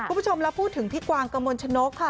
คุณผู้ชมเราพูดถึงพี่กวางกมลชนกค่ะ